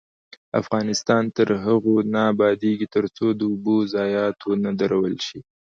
افغانستان تر هغو نه ابادیږي، ترڅو د اوبو ضایعات ونه درول شي.